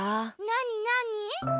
なになに？